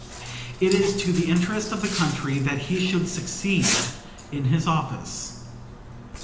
It is to the interest of the country that he should succeed in his office.